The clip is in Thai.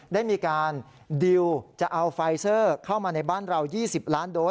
ได้มีการดิวจะเอาไฟเซอร์เข้ามาในบ้านเรา๒๐ล้านโดส